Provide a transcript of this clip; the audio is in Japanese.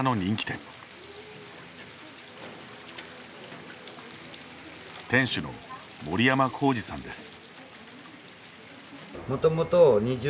店主の森山浩二さんです。